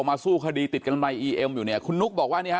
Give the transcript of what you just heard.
สู้คดีติดกันใบอีเอ็มอยู่เนี่ยคุณนุ๊กบอกว่าเนี่ยฮ